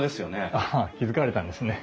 ああ気付かれたんですね。